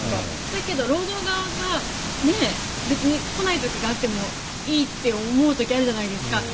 だけど労働側が別に来ない時があってもいいって思う時があるじゃないですか。